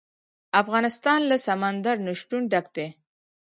افغانستان له سمندر نه شتون ډک دی.